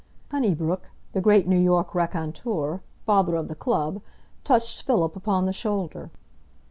Honeybrook, the great New York raconteur, father of the club, touched Philip upon the shoulder.